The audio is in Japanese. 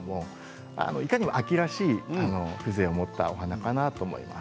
いかにも秋らしい風情を持ったお花かなと思います。